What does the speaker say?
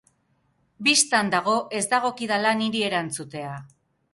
Bistan dago ez dagokidala niri erantzutea.